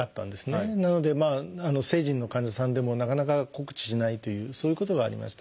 なので成人の患者さんでもなかなか告知しないというそういうことがありました。